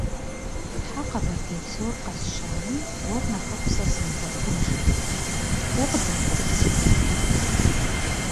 Тхьэ, Къэбэрдей псор къэсщами, уэр нэхъыфӏ сэ сымыгъуэтын!- жи. - Укъыдэкӏуэн си дэлъхум?